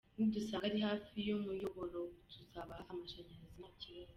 Nidusanga ari hafi y’umuyoboro tuzabaha amashanyarazi nta kibazo.